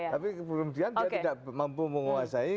tapi kemudian dia tidak mampu menguasai